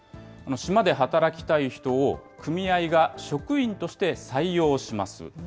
島で働きたい人を組合が職員として採用します。